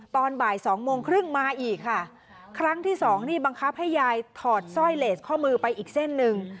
ตอนบ่ายสองโมงครึ่งมาอีกค่ะครั้งที่สองนี่บังคับให้ยายถอดสร้อยเลสข้อมือไปอีกเส้นหนึ่ง